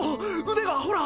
腕がほら！